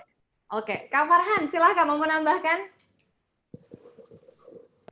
oke kak farhan silahkan mau menambahkan